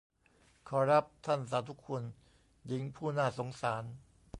ขอรับ ท่านสาธุคุณ หญิงผู้น่าสงสาร